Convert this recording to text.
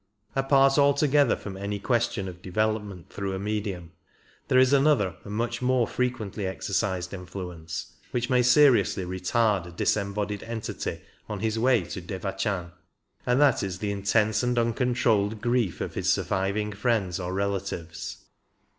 Apart altogether from any question of development through a medium, there is another and much more fre quently exercised influence which may seriously retard a disembodied entity on his way to Devachan, and that is the intense and uncontrolled grief of his surviving friends or relatives.